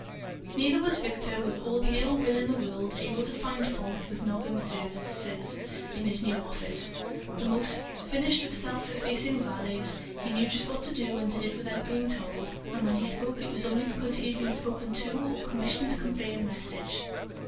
Neither was Victor, with all the ill will in the world, able to find fault with Nogam's services in his new office. The most finished of self effacing valets, he knew just what to do and did it without being told; and when he spoke it was only because he had been spoken to or commissioned to convey a message.